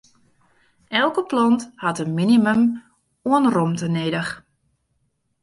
Elke plant hat in minimum oan romte nedich.